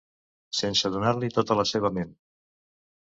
Sense donar-li tota la seva ment.